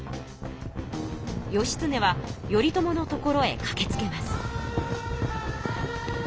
義経は頼朝の所へかけつけます。